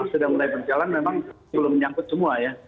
sudah mulai berjalan memang belum menyangkut semua ya